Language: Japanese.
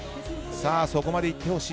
そこまで行ってほしい。